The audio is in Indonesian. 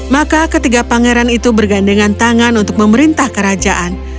maka ketiga pangeran itu bergandengan tangan untuk memerintah kerajaan